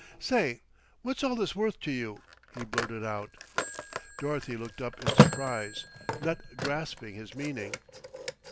"Say, what's all this worth to you?" he blurted out. Dorothy looked up in surprise, not grasping his meaning.